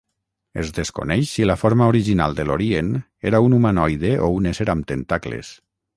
Es desconeix si la forma original de Lorien era un humanoide o un ésser amb tentacles.